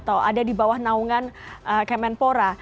atau ada di bawah naungan kemenpora